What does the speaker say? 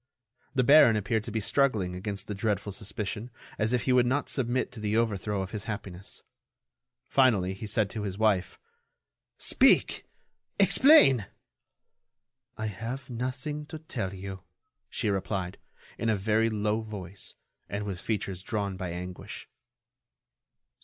The baron appeared to be struggling against the dreadful suspicion, as if he would not submit to the overthrow of his happiness. Finally, he said to his wife: "Speak! Explain!" "I have nothing to tell you," she replied, in a very low voice, and with features drawn by anguish.